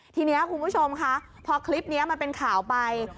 ทีนี้คุณผู้ชมค่ะพอคลิปนี้มันเป็นข่าวไป